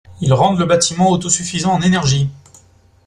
Ils rendent le bâtiment autosuffisant en énergie.